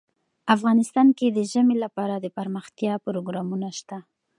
افغانستان کې د ژمی لپاره دپرمختیا پروګرامونه شته.